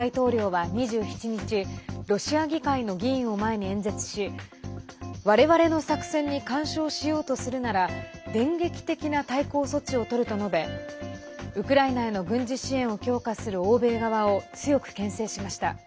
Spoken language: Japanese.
ロシアのプーチン大統領は２７日ロシア議会の議員を前に演説しわれわれの作戦に干渉しようとするなら電撃的な対抗措置をとると述べウクライナへの軍事支援を強化する欧米側を強くけん制しました。